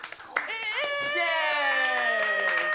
イエーイ！